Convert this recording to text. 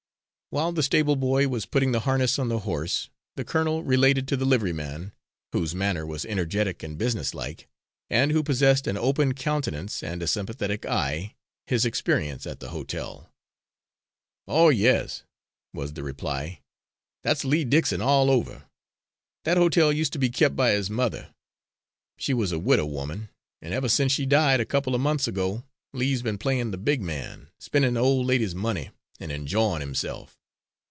While the stable boy was putting the harness on the horse, the colonel related to the liveryman, whose manner was energetic and business like, and who possessed an open countenance and a sympathetic eye, his experience at the hotel. "Oh, yes," was the reply, "that's Lee Dickson all over. That hotel used to be kep' by his mother. She was a widow woman, an' ever since she died, a couple of months ago, Lee's been playin' the big man, spendin' the old lady's money, and enjoyin' himself.